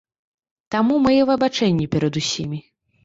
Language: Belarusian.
Таму мае выбачэнні перад усімі.